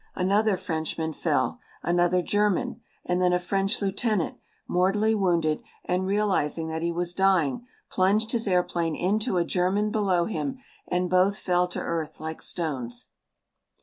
Another Frenchman fell; another German; and then a French lieutenant, mortally wounded and realizing that he was dying, plunged his airplane into a German below him and both fell to earth like stones.